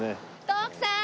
徳さーん！